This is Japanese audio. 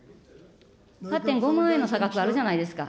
８．５万円の差額あるじゃないですか。